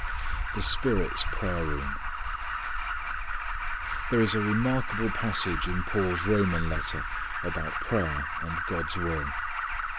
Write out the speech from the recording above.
The Spirit's Prayer Room. There is a remarkable passage in Paul's Roman letter about prayer and God's will.